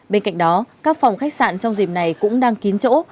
bên cạnh đó các phòng khách sạn trong dịp này cũng đang kín chỗ